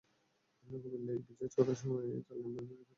কুমিল্লায় ইপিজেড করার সময় বলা হয়েছিল, বিমানবন্দরটি ফের চালু করা হবে।